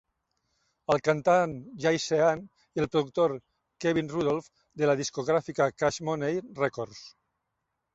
El cantant Jay Sean i el productor Kevin Rudolf de la discogràfica Cash Money Records.